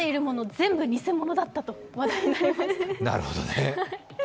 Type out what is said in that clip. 全部、偽物だったと話題になりました。